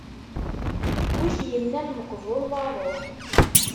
Wi k-innan meqbuleḍ a ṛṛuḥ ?